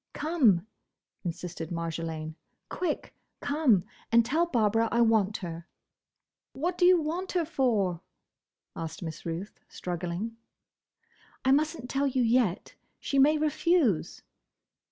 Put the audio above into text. "Come!" insisted Marjolaine. "Quick! Come, and tell Barbara I want her." "What do you want her for?" asked Miss Ruth, struggling. "I must n't tell you yet, she may refuse."